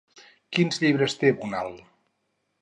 Quins llibres té Bonal?